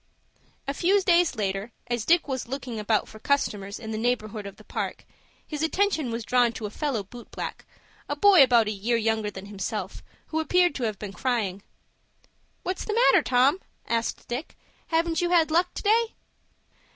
A few days later, as Dick was looking about for customers in the neighborhood of the Park, his attention was drawn to a fellow boot black, a boy about a year younger than himself, who appeared to have been crying. "What's the matter, Tom?" asked Dick. "Haven't you had luck to day?"